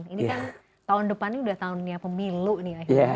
ini kan tahun depan ini udah tahunnya pemilu nih akhirnya